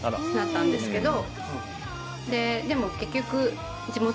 でも結局。